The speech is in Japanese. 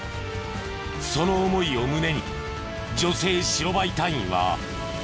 その思いを胸に女性白バイ隊員は今日も走る！